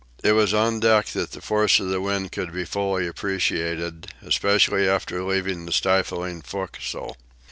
It was on deck that the force of the wind could be fully appreciated, especially after leaving the stifling fo'castle.